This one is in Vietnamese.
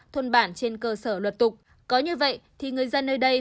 thôn bản trên cơ sở luật tục có như vậy thì người dân nơi đây